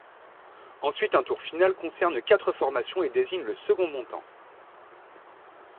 Ensuite un tour final concerne quatre formations et désigne le second montant.